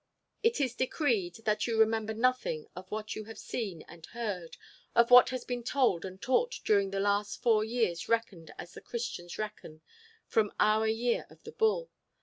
It is decreed that you remember nothing of what you have seen and heard, of what has been told and taught during the last four years reckoned as the Christians reckon from our Year of the Bull.